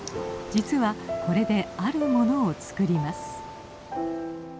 実はこれであるものを作ります。